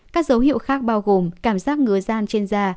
các dấu hiệu khác bao gồm cảm giác ngứa gian trên da